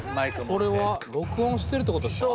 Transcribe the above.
これは録音してるってことですか？